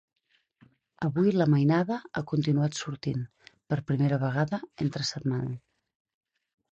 Avui la mainada ha continuat sortint, per primera vegada entre setmana.